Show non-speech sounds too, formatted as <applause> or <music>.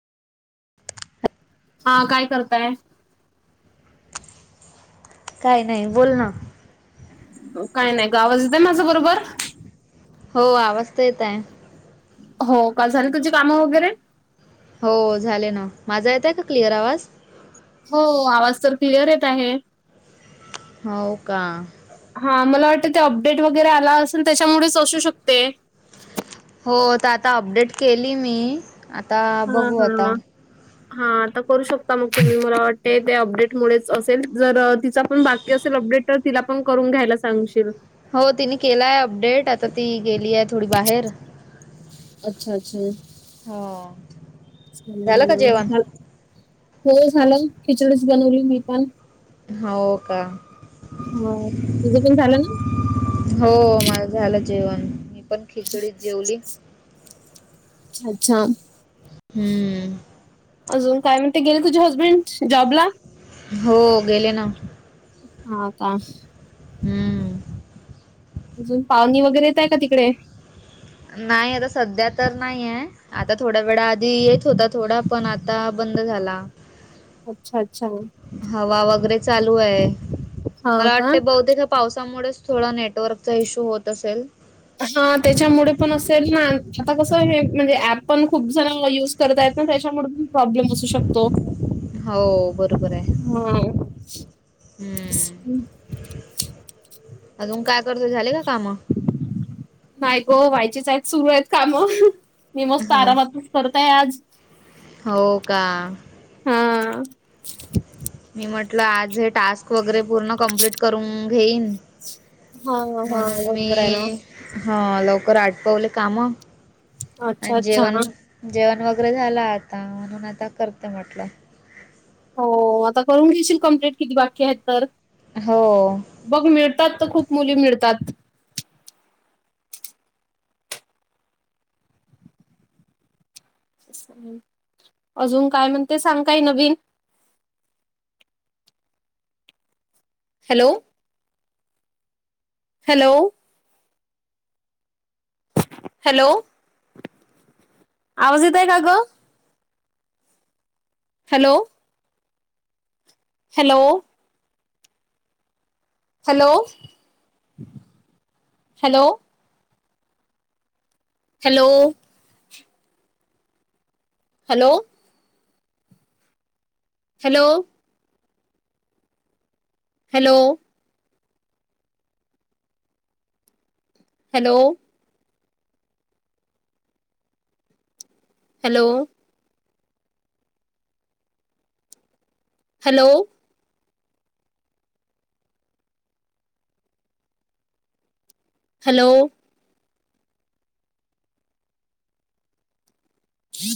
हा काय करताय? काय नाही बोल ना. काय नाही आवाज येतोय माझं बरोबर? हो आवाज तर येत आहे. हो का, झाली तुझे काम वगैरे? हो झाले ना, माझा येतोय का क्लिअर आवाज? हो आवाज तर क्लिअर येत आहे. हो का. हा मला वाटत ते अपडेट वगैरे आला असल त्याच्यामुळेच असू शकते. हो आता, आता अपडेट केली मी. आता हा, बघू हा. <inaudible> हा आता करू शकता मग, तुम्ही मला वाटते. ते अपडेटमुळेच असेल, जर तिचा पण बाकी की असेल अपडेट तर तिला पण करून घ्यायला सांगशील. हो तिने केलाय अपडेट, आता ती गेली आहे थोडी बाहेर. अच्छा, अच्छा. हा. जेवण झाल, हो झालं खिचडीच बनवली मी पण. हा हो का. जेवण, तुझं पण झालं ना. हो माझं झालं जेवण, मी पण खिचडीत जेवली. अच्छा. हम्म. अजून काय म्हणते, गेले तुझे हजबेंड जॉब ला? हो गेले ना. हा का. हम्म. अजून पावणी वगैरे येत आहे का तिकडे? नाही आता सध्या तर नाहीय. आता थोडा वेळा आधी येत होता थोडा, पण आता बंद झाला. अच्छा, अच्छा. हवा वगैरे चालू आहे, हा मला का वाटते बहुतेक हा पावसामुळेच थोडा नेटवर्कचा इश्यू होत असेल. हा त्याच्यामुळे पण असेल ना, आता कसं हे म्हणजे ऍप पण खूप जण युज करतायत ना त्याच्यामूळ प्रॉब्लेम असू शकतो. हो, बरोबर हाय. हा हम्म. अजून काय करतो झाले का काम? नाही गो व्हायचेच आहेत सुरू आहेत काम, मी मस्त हो. आरामातच करतय आज. हो का. हा. मी म्हटलं आज हे टास्क वगैरे पूर्ण कंप्लीट करून घेईन. हा हा म्हणून मी. बरोबर आहे ना हा लवकर आटपवले काम, अच्छा आणि अच्छा जेवण जेवण वगैरे झाला आता, म्हणून आता करत म्हटलं. हो आता करून घेशील कंप्लीट किती बाकी हायत तर. हो. बघ मिळतात तर खूप मुली मिळतात. अजून काय म्हणते सांग काय नवीन? हॅलो. हॅलो. हॅलो. आवाज येतय का ग? Hello. Hello. Hello hello. Hello. Hello. Hello. Hello. Hello. Hello. Hello. Hello.